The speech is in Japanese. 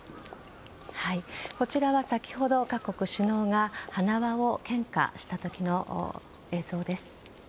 こちらが先ほど各国首脳が花輪を献花した時の映像です。